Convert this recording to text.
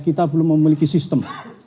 kita belum memiliki sistem